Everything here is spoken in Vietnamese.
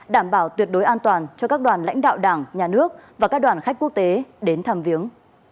đảm bảo tuyệt đối an toàn cho các đoàn lãnh đạo đảng nhà nước và các đoàn khách quốc tế đến tham viếng